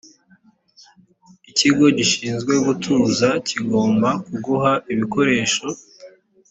ikigo gishinzwe gutuza kigomba kuguha ibikoresho